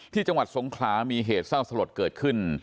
จังหวัดสงขลามีเหตุเศร้าสลดเกิดขึ้น